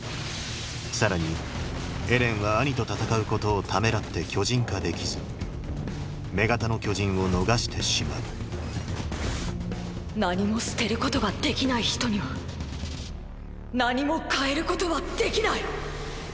さらにエレンはアニと戦うことをためらって巨人化できず女型の巨人を逃してしまう何も捨てることができない人には何も変えることはできない。